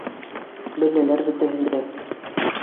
Беләләр бөтәһен дә